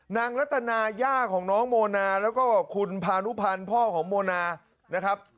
รัตนาย่าของน้องโมนาแล้วก็คุณพานุพันธ์พ่อของโมนานะครับ